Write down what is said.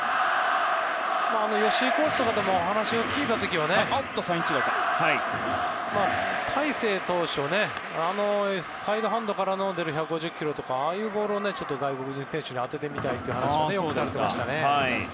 吉井コーチにお話を聞いた時とかは大勢投手のサイドハンドから出る１５０キロとかああいうボールを外国人選手に当ててみたいという話もよくされていましたね。